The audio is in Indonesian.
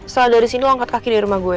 setelah dari sini lo angkat kaki di rumah gue